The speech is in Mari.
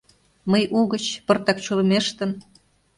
Мый угыч, пыртак чулымештын